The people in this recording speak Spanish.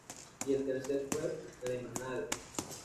Y el tercer fue "Lemonade".